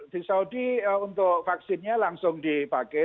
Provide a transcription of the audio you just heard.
di saudi untuk vaksinnya langsung dipakai